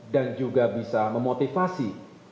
dan juga bisa memotivasi